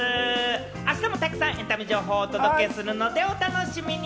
あしたもたくさんエンタメ情報をお届けするので、お楽しみに！